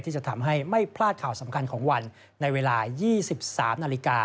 ที่จะทำให้ไม่พลาดข่าวสำคัญของวันในเวลา๒๓นาฬิกา